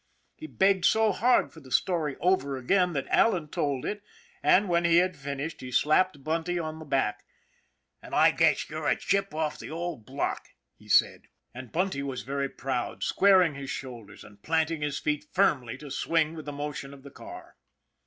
He begged so hard for the story over again that Allan told it, and when he had finished, he slapped Bunty on the THE LITTLE SUPER 35 back. " And I guess you're a chip of the old block," he said. And Bunty was very proud, squaring his shoulders, and planting his feet firmly to swing with the motion of the car.